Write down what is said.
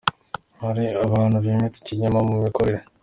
Hari abantu bimitse ikinyoma mu mikorere